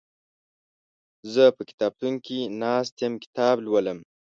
زه په کتابتون کې ناست يم کتاب لولم